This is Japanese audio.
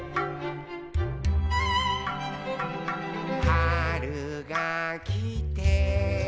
「はるがきて」